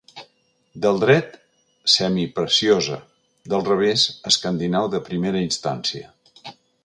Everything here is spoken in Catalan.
Del dret, semipreciosa, del revés escandinau de primera instància.